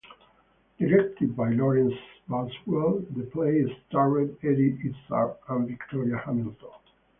Directed by Lawrence Boswell, the play starred Eddie Izzard and Victoria Hamilton.